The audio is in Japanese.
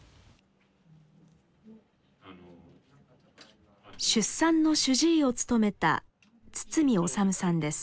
出産の主治医を務めた堤治さんです。